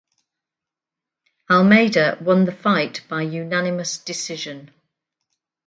Almeida won the fight by unanimous decision.